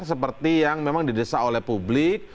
seperti yang memang didesak oleh publik